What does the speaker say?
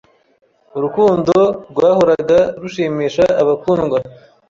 Urukundo rwahoraga rushimisha abakundwa